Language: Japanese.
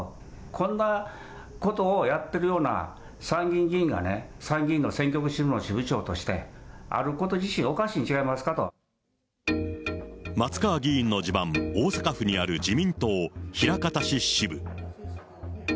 こんなことをやってるような参議院議員がね、参議院の選挙区支部の支部長としてあること自身おかしいんちゃい松川議員の地盤、大阪府にある自民党枚方市支部。